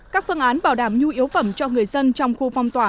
các phương án bảo đảm nhu yếu phẩm cho người dân trong khu phong tỏa